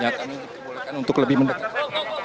ya kami bolehkan untuk lebih mendekat